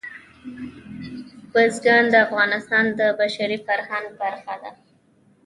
بزګان د افغانستان د بشري فرهنګ برخه ده.